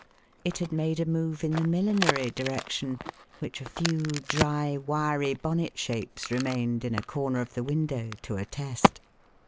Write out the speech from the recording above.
It had made a move in the millinery direction, which a few dry, wiry bonnet shapes remained in a corner of the window to attest.